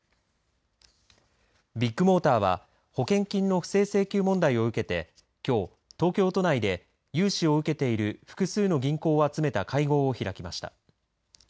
ビッグモーターは保険金の不正請求問題を受けてきょう、東京都内で融資を受けている複数の銀行を集めた会合を開きました。